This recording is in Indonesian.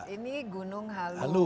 ini gunung halu